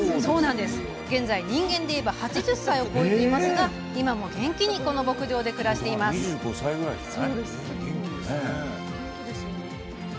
現在、人間でいえば８０歳を超えていますが今も元気に、この牧場で暮らしているんです。